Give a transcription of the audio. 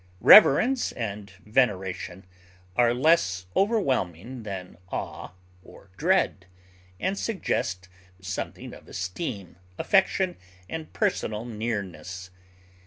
Reverence and veneration are less overwhelming than awe or dread, and suggest something of esteem, affection, and personal nearness.